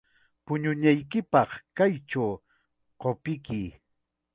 Puñunaykipaq kaychaw qupikuy.